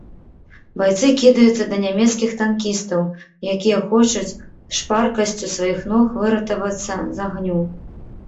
Байцы кідаюцца да нямецкіх танкістаў, якія хочуць шпаркасцю сваіх ног выратавацца з агню.